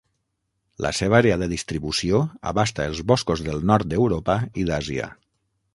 La seva àrea de distribució abasta els boscos del nord d'Europa i d'Àsia.